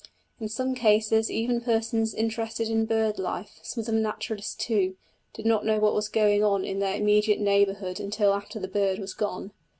In some cases even persons interested in bird life, some of them naturalists too, did not know what was going on in their immediate neighbourhood until after the bird was gone.